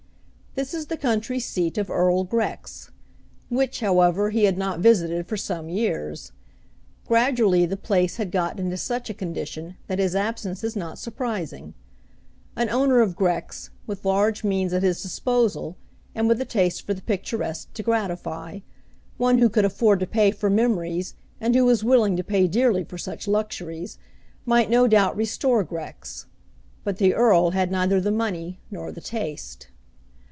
This is the country seat of Earl Grex, which however he had not visited for some years. Gradually the place had got into such a condition that his absence is not surprising. An owner of Grex, with large means at his disposal and with a taste for the picturesque to gratify, one who could afford to pay for memories and who was willing to pay dearly for such luxuries, might no doubt restore Grex. But the Earl had neither the money nor the taste.